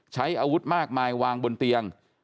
ใช้อาวุธมากมายวางบนเตียง